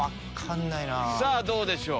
さぁどうでしょう？